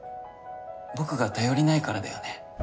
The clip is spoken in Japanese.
僕が頼りないからだよね？